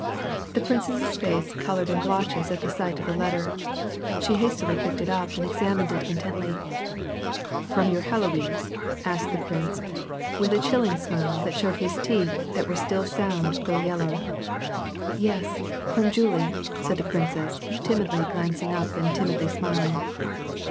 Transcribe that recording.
The princess's face colored in blotches at the sight of the letter. She hastily picked it up and examined it intently. *| From your Heloise ?" asked the prince, with a chillinj^ smile that showed his teeth that were still sound though yellow. " Yes, from Julie," said the princess, timidly glancing up and timidly smiling.